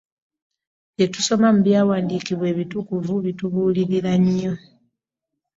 Bye tusoma mu byawandiikibwa ebitukuvu bitubuulirira nnyo.